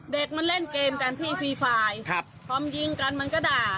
เด็กมันเล่นเกมกันที่ฟรีไฟล์ครับพอมันยิงกันมันก็ด่า